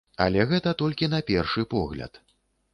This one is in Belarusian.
Але гэта толькі на першы погляд.